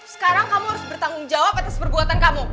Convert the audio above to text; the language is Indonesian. sekarang kamu harus bertanggung jawab atas perbuatan kamu